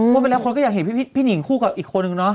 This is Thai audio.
พอไปแล้วคนก็อยากเห็นผี่หลีพี่นิ่งคู่กับอีกคนหนึ่งเนาะ